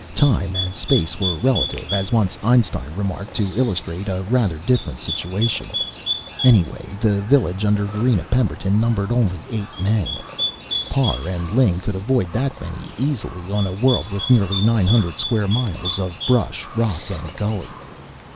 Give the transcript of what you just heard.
Time and space were relative, as once Einstein remarked to illustrate a rather different situation; anyway, the village under Varina Pemberton numbered only eight men Parr and Ling could avoid that many easily on a world with nearly nine hundred square miles of brush, rock and gully.